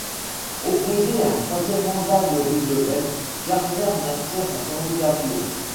Opposé à un troisième mandat de Roosevelt, Garner maintient sa candidature.